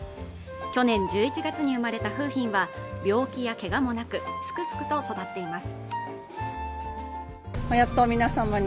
去年１１月に生まれた楓浜は病気や怪我もなくすくすくと育っています